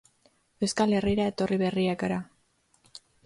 Euskal Herrira etorri berriak gara.